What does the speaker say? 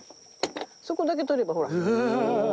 そこだけ取ればほら。